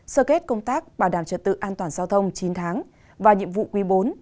sơ kết công tác bảo đảm trật tự an toàn giao thông chín tháng và nhiệm vụ quý bốn